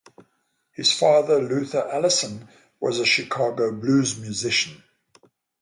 His father, Luther Allison, was a Chicago blues musician.